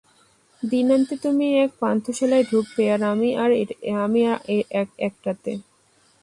দিনান্তে তুমি এক পান্থশালায় ঢুকবে আর আমি আর-একটাতে?